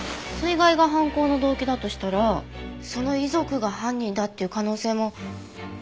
水害が犯行の動機だとしたらその遺族が犯人だっていう可能性も。